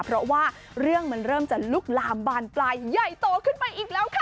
เพราะว่าเรื่องมันเริ่มจะลุกลามบานปลายใหญ่โตขึ้นไปอีกแล้วค่ะ